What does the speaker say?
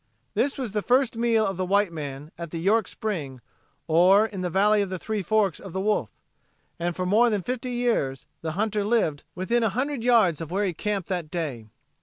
This was the first meal of the white man at the York spring or in the "Valley of the Three Forks o' the Wolf," and for more than fifty years the hunter lived within a hundred yards of where he camped that day.